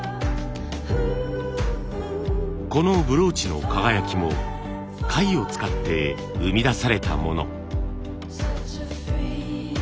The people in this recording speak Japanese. このブローチの輝きも貝を使って生み出されたもの。